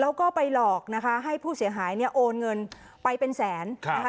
แล้วก็ไปหลอกนะคะให้ผู้เสียหายเนี่ยโอนเงินไปเป็นแสนนะคะ